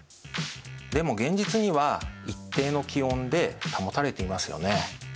でも現実には一定の気温で保たれていますよね。